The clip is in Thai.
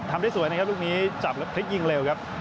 ได้สวยนะครับลูกนี้จับแล้วพลิกยิงเร็วครับ